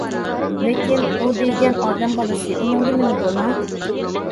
لېكىن، ئۇ دېگەن ئادەم بالىسى، ئۇنىڭدا نېمە گۇناھ؟!